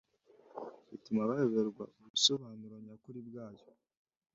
bituma bayoberwa ubusobanuro nyakuri bwa yo.